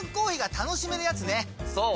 そう！